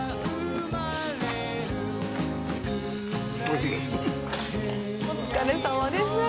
お疲れさまです。